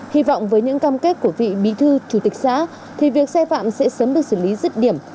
hy vọng với những cam kết của vị bị thư chủ tịch xã thì việc xây phạm sẽ sớm được xử lý dứt điểm